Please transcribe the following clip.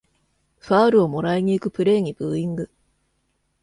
ファールをもらいにいくプレイにブーイング